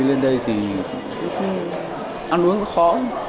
đi lên đây thì ăn uống khó